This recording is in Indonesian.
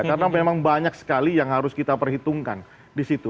karena memang banyak sekali yang harus kita perhitungkan di situ